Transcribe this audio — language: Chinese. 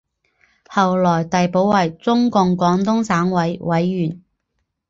后来递补为中共广东省委委员。